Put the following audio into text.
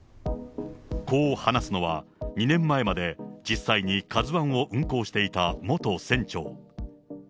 こう話すのは、２年前まで実際にカズワンを運航していた元船長。